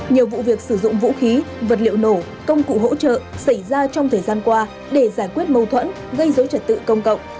nhiều vụ việc sử dụng vũ khí vật liệu nổ công cụ hỗ trợ xảy ra trong thời gian qua để giải quyết mâu thuẫn gây dối trật tự công cộng